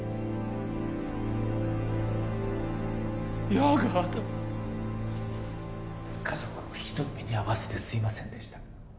自分の家族をひどい目に遭わせてすいませんでした